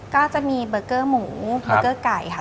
ก็จะมีเบอร์เกอร์หมูเบอร์เกอร์ไก่ค่ะ